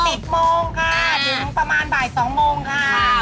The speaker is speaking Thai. เปิด๑๐โมงค่ะถึงประมาณบ่าย๒โมงค่ะ